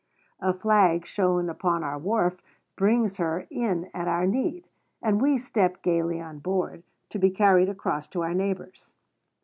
A flag shown upon our wharf brings her in at our need; and we step gayly on board, to be carried across to our neighbors.